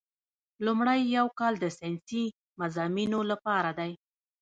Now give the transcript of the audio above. لومړی یو کال د ساینسي مضامینو لپاره دی.